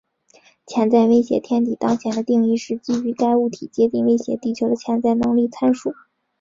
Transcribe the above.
潜在威胁天体当前的定义是基于该物体接近威胁地球的潜在能力参数。